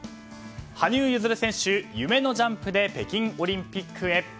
羽生結弦選手、夢のジャンプで北京オリンピックへ。